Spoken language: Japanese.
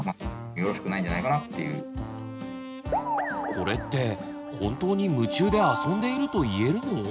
これって本当に夢中であそんでいると言えるの？